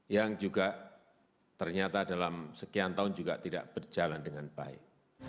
yang juga ternyata dalam sekian tahun juga tidak berjalan dengan baik